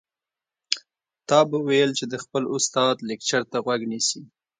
تا به ويل چې د خپل استاد لکچر ته غوږ نیسي.